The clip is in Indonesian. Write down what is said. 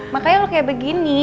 makanya lu kayak begini